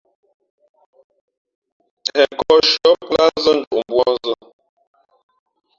Ghen nkᾱᾱ nshʉ̄ᾱ pō lǎh nzᾱ njoʼ mbuānzᾱ.